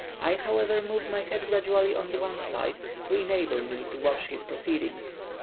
I, however, moved my head gradually on one side to enable me to watch his proceedings.